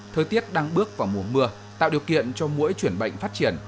thời tiết đang bước vào mùa mưa tạo điều kiện cho mỗi chuyển bệnh phát triển